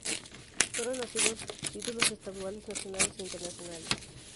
Fueron títulos estaduales, nacionales e internacionales.